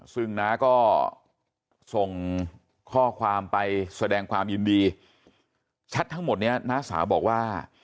ซึ่งน้าก็ส่งข้อความไปแสดงความยินดีแชททั้งหมดนี้น้าสาวบอกว่า